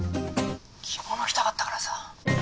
着物着たかったからさ。